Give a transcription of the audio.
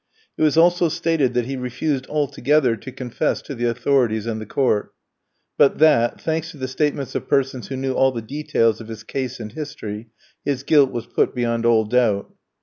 It was also stated that he refused altogether to confess to the authorities and the court; but that, thanks to the statements of persons who knew all the details of his case and history, his guilt was put beyond all doubt.